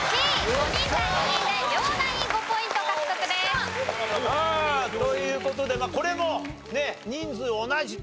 ５人対５人で両ナイン５ポイント獲得です。という事でまあこれもね人数同じと。